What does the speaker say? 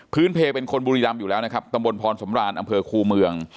เพลเป็นคนบุรีรำอยู่แล้วนะครับตำบลพรสำรานอำเภอคูเมือง